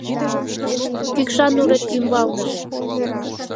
Кӱкша нурет ӱмбалныже